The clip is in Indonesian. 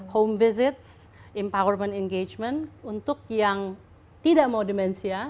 home visits empowerment engagement untuk yang tidak mau demensia